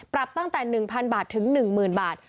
ปรับตั้งแต่๑๐๐บาทถึง๑๐๐๐บาท